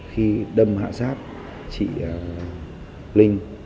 khi đâm hạ sát chị linh